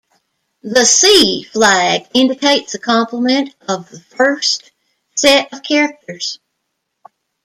The "c" flag indicates the complement of the first set of characters.